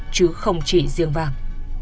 chứ không chỉ riêng vàng